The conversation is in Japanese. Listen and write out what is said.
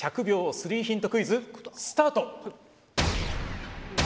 スリーヒントクイズスタート！